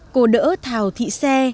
cô đỡ thào thị xe